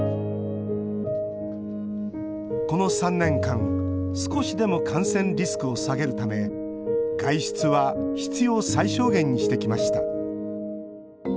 この３年間、少しでも感染リスクを下げるため外出は必要最小限にしてきました。